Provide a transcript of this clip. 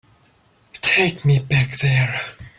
Take me back there.